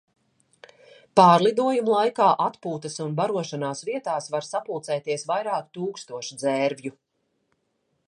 Pārlidojuma laikā atpūtas un barošanās vietās var sapulcēties vairāki tūkstoši dzērvju.